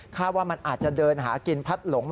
ว่ามันอาจจะเดินหากินพัดหลง